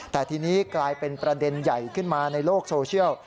แต่ทีนี้กลายเป็นประเด็นใหญ่ขึ้นมาในโลกโซเชียล